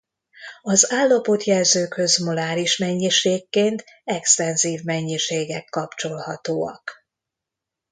Az állapotjelzőkhöz moláris mennyiségként extenzív mennyiségek kapcsolhatóak.